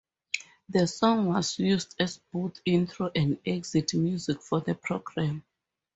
The song was used as both intro and exit music for the program.